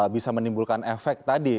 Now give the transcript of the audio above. bisa menimbulkan efek tadi